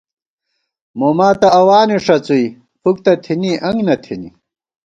موما تہ اَوانے ݭڅوُئی، فُک تہ تھِنی انگ نہ تھنی